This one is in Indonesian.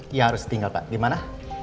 iya harus tinggal pak di mana